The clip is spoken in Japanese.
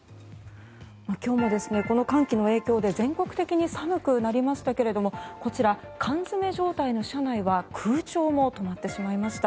今日も寒気の影響で全国的に寒くなりましたがこちら、缶詰め状態の車内は空調も止まってしまいました。